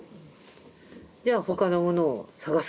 じゃあ他のものを探すか。